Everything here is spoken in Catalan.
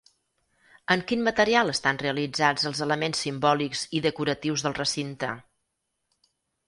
En quin material estan realitzats els elements simbòlics i decoratius del recinte?